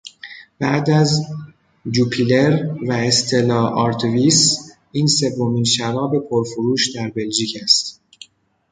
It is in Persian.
بعد از جوپیلر و استلا آرتویس، این سومین شراب پرفروش در بلژیک است.